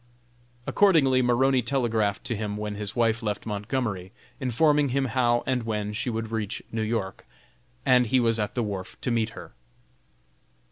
Accordingly Maroney telegraphed to him when his wife left Montgomery, informing him how and when she would reach New York, and he was at the wharf to meet her.